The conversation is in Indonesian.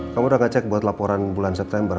kamu udah gak cek buat laporan bulan september